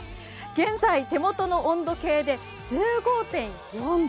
現在、手元の温度計で１５．４度。